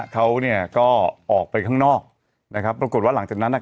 เขาเนี่ยก็ออกไปข้างนอกนะครับปรากฏว่าหลังจากนั้นอ่ะ